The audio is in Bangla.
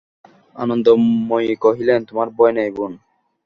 আনন্দময়ী কহিলেন, তোমার ভয় নেই বোন!